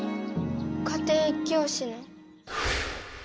家庭教師の。